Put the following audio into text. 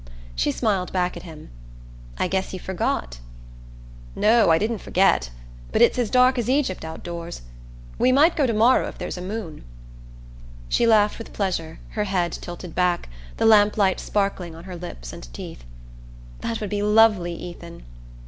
She smiled back at him. "I guess you forgot!" "No, I didn't forget; but it's as dark as Egypt outdoors. We might go to morrow if there's a moon." She laughed with pleasure, her head tilted back, the lamplight sparkling on her lips and teeth. "That would be lovely, Ethan!"